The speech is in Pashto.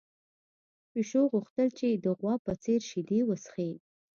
پيشو غوښتل چې د غوا په څېر شیدې وڅښي.